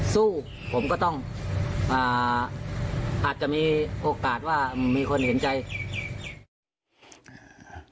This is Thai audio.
สู้ผมก็ต้องอาจจะมีโอกาสว่ามีคนเห็นใจ